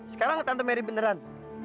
sekarang tante meri beneran